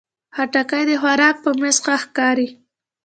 خټکی د خوراک په میز ښه ښکاري.